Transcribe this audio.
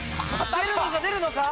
出るのか出るのか？